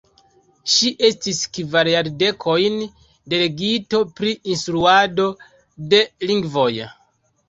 Ŝi estis kvar jardekojn delegito pri instruado de lingvoj.